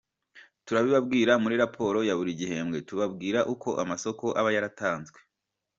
Turabibabwira muri raporo ya buri gihembwe, tubabwira uko amasoko aba yaratanzwe.